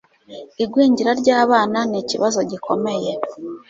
igwingira ry'abana n'ikibazo gikomeye